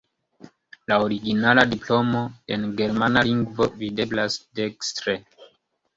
La originala diplomo, en germana lingvo, videblas dekstre.